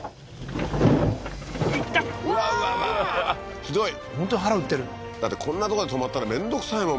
ひどい本当に腹打ってるだってこんなとこで止まったら面倒くさいもん